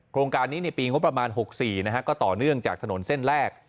โครงการนี้ในปีงบประมาณ๖๔ก็ต่อเนื่องจากถนนเส้นแรก